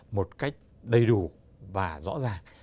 một cách đầy đủ và rõ ràng